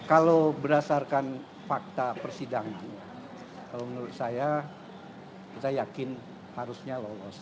kalau berdasarkan fakta persidangan kalau menurut saya kita yakin harusnya lolos